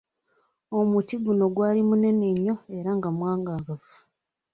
Omuti guno gwali munene nnyo era nga mwagaagavu.